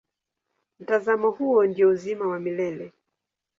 Mtazamo huo ndio uzima wa milele.